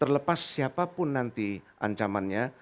terlepas siapa pun nanti ancamannya